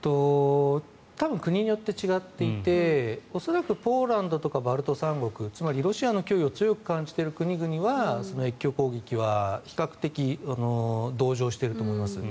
多分国によって違っていて恐らくポーランドとかバルト三国つまりロシアの脅威を強く感じている国は越境攻撃は比較的同情してると思います。